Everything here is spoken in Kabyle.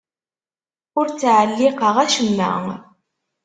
Ur ttɛelliqeɣ acemma.